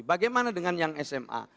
bagaimana dengan yang sma